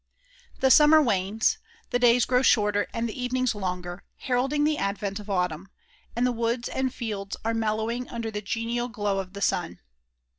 The summer wanes; the days grow shorter and the evenings longer, heralding the advent of Autumn, and the woods and fields are mellowing under the genial glow of the sun.